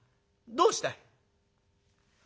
どうした？」。